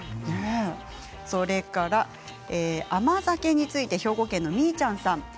それから甘酒について兵庫県の方からです。